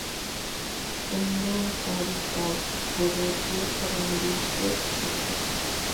ting'doi karitab ureriet rangisiek che chang'